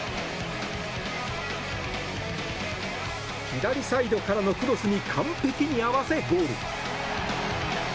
左サイドからのクロスに完璧に合わせ、ゴール。